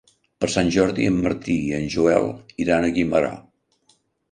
Per Sant Jordi en Martí i en Joel iran a Guimerà.